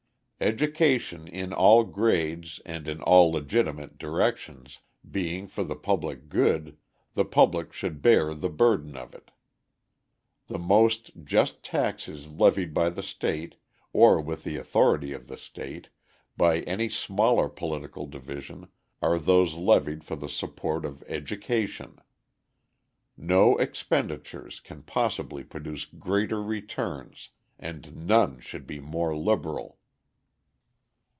Education in all grades and in all legitimate directions, being for the public good, the public should bear the burden of it. The most just taxes levied by the state, or with the authority of the state, by any smaller political division, are those levied for the support of education. No expenditures can possibly produce greater returns and none should be more liberal.